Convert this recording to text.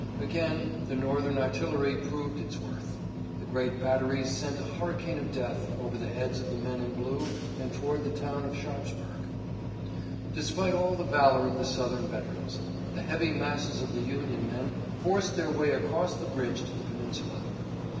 Again the Northern artillery proved its worth. The great batteries sent a hurricane of death over the heads of the men in blue and toward the town of Sharpsburg. Despite all the valor of the Southern veterans, the heavy masses of the Union men forced their way across the bridge to the peninsula.